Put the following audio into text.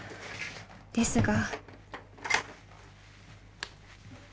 ［ですが］